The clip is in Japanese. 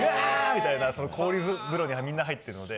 みたいな氷風呂にはみんな入ってるので。